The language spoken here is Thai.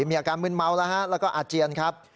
มีอาการมืนเมาแล้วฮะแล้วก็อาเจียนครับ